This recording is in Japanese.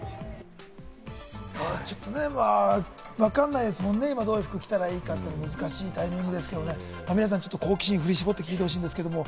ちょっとわかんないですもんね、今、どういう服を着たらいいのか難しいタイミングですので、好奇心を振り絞って聞いていただきたいんですけれども。